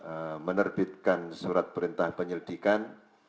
untuk menerbitkan surat perintah penyelidikan